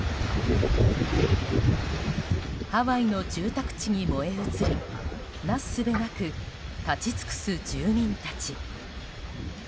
ハワイの住宅地に燃え移りなすすべなく立ち尽くす住民たち。